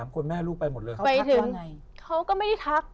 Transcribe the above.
เขาก็ไม่ทัก